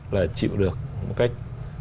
là chịu được một cách